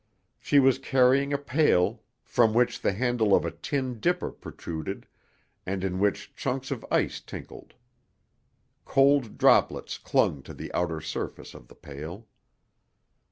She was carrying a pail from which the handle of a tin dipper protruded and in which chunks of ice tinkled. Cold droplets clung to the outer surface of the pail.